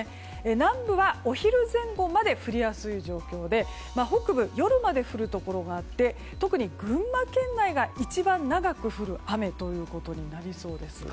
南部はお昼前後まで降りやすい状況で北部、夜まで降るところがあって特に群馬県内が、一番長く降る場面となりそうです。